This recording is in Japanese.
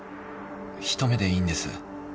一目でいいんです。